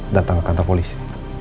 datang ke kantor polisi